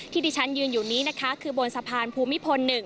ที่ที่ฉันยืนอยู่นี้นะคะคือบนสะพานภูมิพล๑